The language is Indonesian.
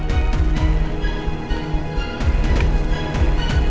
gue harus amankan hasil tes dna ini